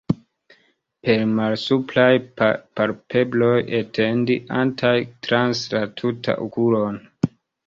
Per malsupraj palpebroj etendi¸antaj trans la tutan okulon.